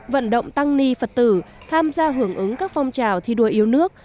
vận động tăng ni phật tử tham gia hưởng ứng các phong trào thi đua yêu nước